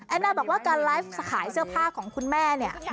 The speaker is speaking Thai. น่าบอกว่าการไลฟ์ขายเสื้อผ้าของคุณแม่เนี่ย